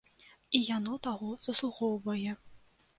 І яно таго заслугоўвае.